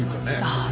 ああ